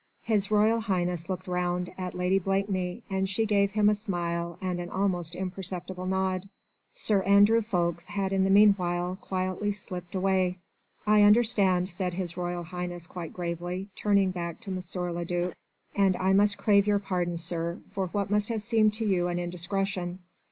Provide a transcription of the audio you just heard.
His Royal Highness looked round at Lady Blakeney, and she gave him a smile and an almost imperceptible nod. Sir Andrew Ffoulkes had in the meanwhile quietly slipped away. "I understand," said His Royal Highness quite gravely, turning back to M. le duc, "and I must crave your pardon, sir, for what must have seemed to you an indiscretion.